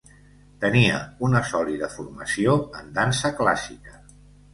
Tenia una sòlida formació en dansa clàssica.